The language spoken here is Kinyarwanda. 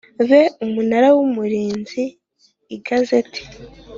be Umunara w Umurinzi Igazeti